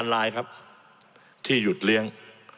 ลายครับที่หยุดเลี้ยง